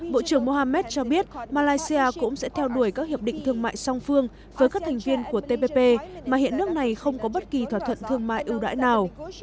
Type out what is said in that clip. bộ trưởng mohamed cho biết malaysia cũng sẽ theo đuổi các hiệp định thương mại song phương với các thành viên của tpp mà hiện nước này không có bất kỳ thỏa thuận thương mại ưu đãi nào